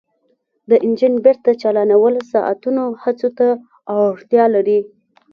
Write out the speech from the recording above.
د انجن بیرته چالانول ساعتونو هڅو ته اړتیا لري